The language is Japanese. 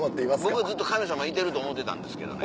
僕はずっと神様いてると思ってたんですけどね。